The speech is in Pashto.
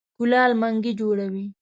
کولال منګی جوړوي.